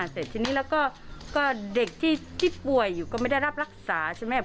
เสร็จทีนี้แล้วก็เด็กที่ป่วยอยู่ก็ไม่ได้รับรักษาใช่ไหม